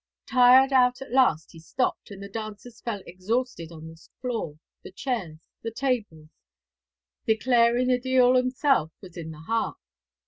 Tired out at last he stopped, and the dancers fell exhausted on the floor, the chairs, the tables, declaring the diawl himself was in the harp.